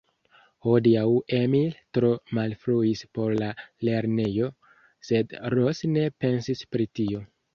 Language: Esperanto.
Hodiaŭ Emil tro malfruis por la lernejo, sed Ros ne pensis pri tio.